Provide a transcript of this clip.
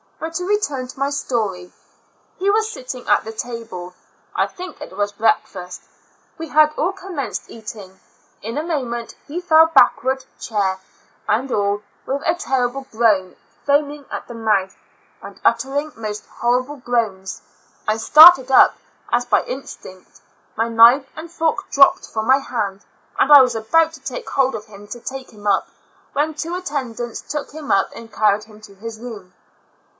But to return to my story. He was sit ting; at the table; I think it was breakfast: we had all commenced eating; in a moment he fell backward chair, and all, with a ter rible groan, foaming at the mouth, and uttering most horrible groans; I started up as by instinct; my knife and fork dropped from my hands, and I was about to take hold of him to take him up, when two attendants took him up and carried him to his room.